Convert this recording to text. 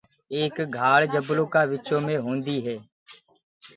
ايڪ گھآݪ جبلو ڪآ وچو مينٚ هوندي هي۔